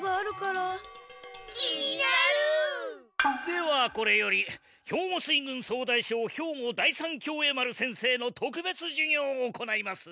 ではこれより兵庫水軍総大将兵庫第三協栄丸先生の特別授業を行います。